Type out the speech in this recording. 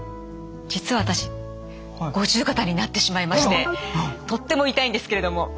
実は私五十肩になってしまいましてとっても痛いんですけれども。